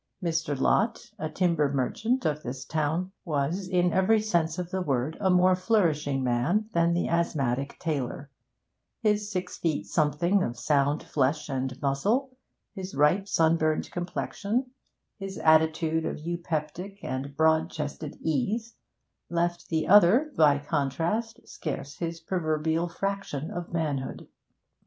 Mr. Lott, a timber merchant of this town, was in every sense of the word a more flourishing man than the asthmatic tailor; his six feet something of sound flesh and muscle, his ripe sunburnt complexion, his attitude of eupeptic and broad chested ease, left the other, by contrast, scarce his proverbial fraction of manhood.